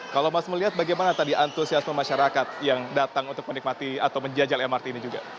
kalau mas melihat bagaimana tadi antusiasme masyarakat yang datang untuk menikmati atau menjajal mrt ini juga